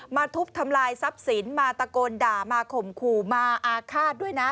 ทุบทำลายทรัพย์สินมาตะโกนด่ามาข่มขู่มาอาฆาตด้วยนะ